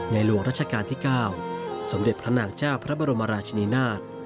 หลวงรัชกาลที่๙สมเด็จพระนางเจ้าพระบรมราชนีนาฏ